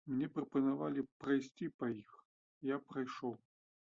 Мне прапанавалі прайсці па іх, я прайшоў.